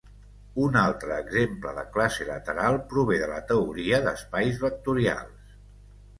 Un altre exemple de classe lateral prové de la teoria d'espais vectorials.